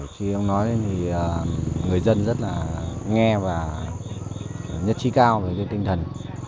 khi ông nói thì người dân rất là nghe và nhất trí cao về cái tinh thần